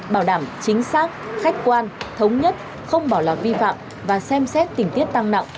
bảo đảm chính xác khách quan thống nhất không bỏ lọt vi phạm và xem xét tình tiết tăng nặng